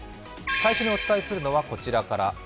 最初にお伝えするのはこちらから。